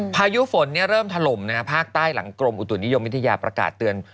พายุฝนเริ่มถล่มภาคใต้หลังกรมอุตุนิยมวิทยาประกาศเตือน